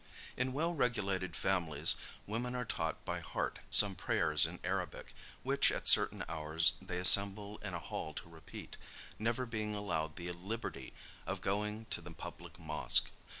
In well regulated families, women are taught by heart some prayers in Arabic, which at certain hours they assemble in a hall to repeat; never being allowed the liberty of going to the public mosque.